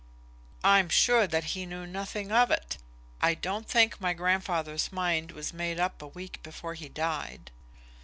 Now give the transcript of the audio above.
"I'm sure that he knew nothing of it. I don't think my grandfather's mind was made up a week before he died."